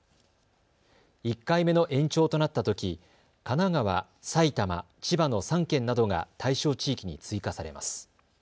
１回目の延長となったとき、神奈川、埼玉、千葉の３県などが対象地域に追加されます。